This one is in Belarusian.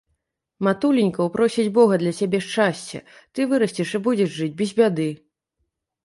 Матуленька ўпросіць бога для цябе шчасця, ты вырасцеш і будзеш жыць без бяды.